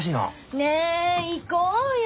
ねえ行こうよ！